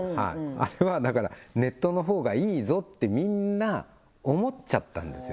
あれはだからネットの方がいいぞってみんな思っちゃったんですよ